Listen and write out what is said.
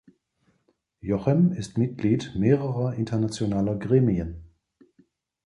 Jochem ist Mitglied mehrerer internationaler Gremien.